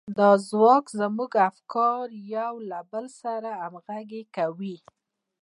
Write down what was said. دا ځواک زموږ افکار يو له بل سره همغږي کوي.